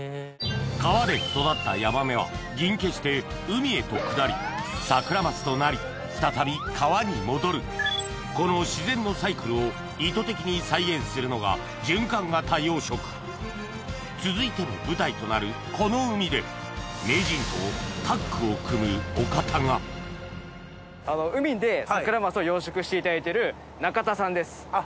川で育ったヤマメは銀化して海へと下りサクラマスとなり再び川に戻るこの自然のサイクルを意図的に再現するのが循環型養殖続いての舞台となるこの海で海でサクラマスを養殖していただいている中田さんです。